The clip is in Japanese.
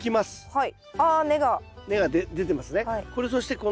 はい。